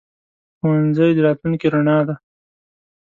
ښوونځی د راتلونکي رڼا ده.